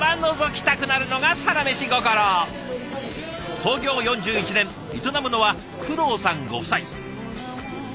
創業４１年営むのは工藤さんご夫妻。